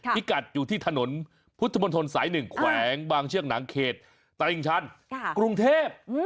พิกัดอยู่ที่ถนนพุทธมนตรสาย๑แขวงบางเชือกหนังเขตตลิ่งชันกรุงเทพ